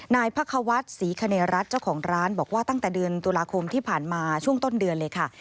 นายพระควัฒน์ศรีคเนรัฐเจ้าของร้านบอกว่าตั้งแต่เดือนตุลาคมที่ผ่านมาช่วงต้นเดือนเลยค่ะ